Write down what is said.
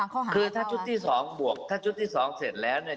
ข้อหาคือถ้าชุดที่๒บวกถ้าชุดที่๒เสร็จแล้วเนี่ย